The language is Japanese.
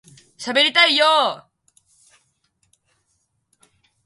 しゃべりたいよ～